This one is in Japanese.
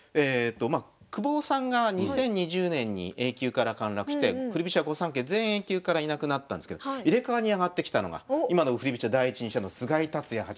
久保さんが２０２０年にＡ級から陥落して振り飛車御三家全員Ａ級からいなくなったんですけど入れ替わりに上がってきたのが今の振り飛車第一人者の菅井竜也八段。